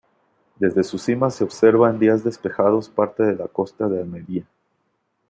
Desde su cima se observa en días despejados parte de la costa de Almería.